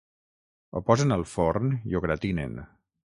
Ho posen al forn i ho gratinen.